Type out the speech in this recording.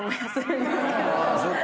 そっか。